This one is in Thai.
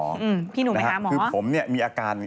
นะครับคือผมมีอาการ